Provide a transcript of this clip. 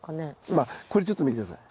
まあこれちょっと見て下さい。